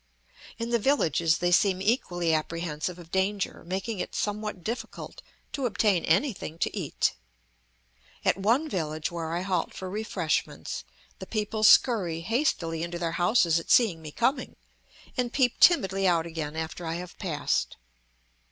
In the villages they seem equally apprehensive of danger, making it somewhat difficult to obtain anything to eat. At one village where I halt for refreshments the people scurry hastily into their houses at seeing me coming, and peep timidly out again after I have passed.